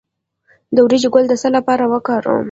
د وریجو ګل د څه لپاره وکاروم؟